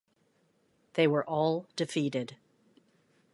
They were all defeated.